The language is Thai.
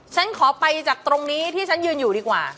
ฉันขอไปจากตรงนี้ที่ฉันยืนอยู่ดีกว่า